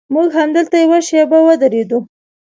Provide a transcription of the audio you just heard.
موږ همدلته یوه شېبه ودرېدو.